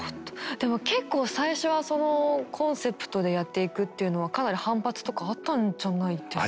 でも結構最初はそのコンセプトでやっていくっていうのはかなり反発とかあったんじゃないですか？